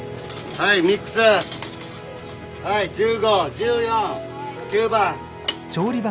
はい１５１４９番。